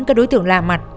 các đối tượng lạ mặt